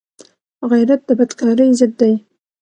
غیرت د بدکارۍ ضد دی